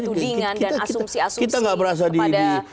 kemudian ada tudingan dan asumsi asumsi kepada kubu satu